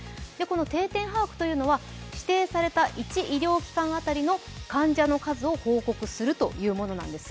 定点把握というのは指定された一医療機関ごとの患者の数を報告するというものなんです。